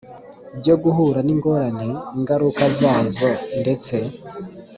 Byo guhura n ingorane ingaruka zazo ndetse